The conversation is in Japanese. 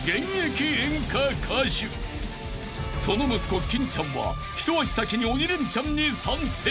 ［その息子金ちゃんは一足先に鬼レンチャンに参戦］